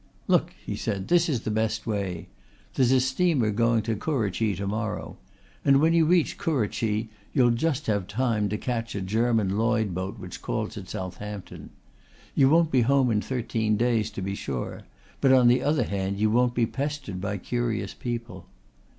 "Look!" he said. "This is the best way. There's a steamer going to Kurrachee to morrow, and when you reach Kurrachee you'll just have time to catch a German Lloyd boat which calls at Southampton. You won't be home in thirteen days to be sure, but on the other hand you won't be pestered by curious people."